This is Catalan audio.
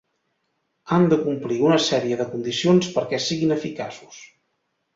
Han de complir una sèrie de condicions perquè siguin eficaços.